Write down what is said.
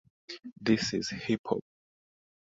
This is hip-hop!